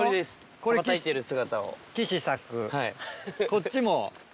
こっちも。